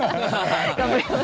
頑張ります。